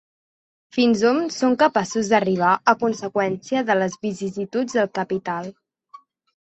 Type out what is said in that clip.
Fins on som capaços d’arribar a conseqüència de les vicissituds del capital?